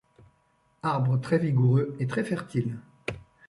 Arbre très vigoureux et très fertile.